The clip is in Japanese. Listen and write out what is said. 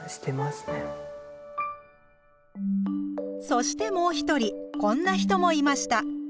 そしてもう一人こんな人もいました。